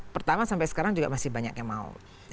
pertama sampai sekarang juga masih banyak yang mau